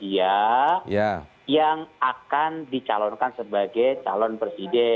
itu di calon cawa pres